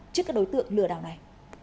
trước các đối tượng lừa đảo này